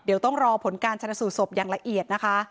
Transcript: เดี๋ยวต้องรอผลการชนสูตรศพอย่างละเอียดนะคะ